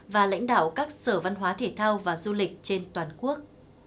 và lãnh đạo các sở văn hóa thể thao và du lịch trên toàn quốc